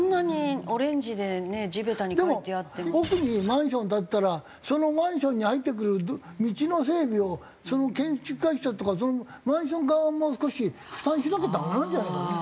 でも奥にマンション建ったらそのマンションに入ってくる道の整備をその建築会社とかそのマンション側も少し負担しなきゃダメなんじゃないかね。